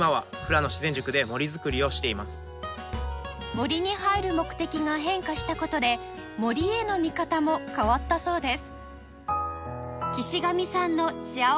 森に入る目的が変化した事で森への見方も変わったそうです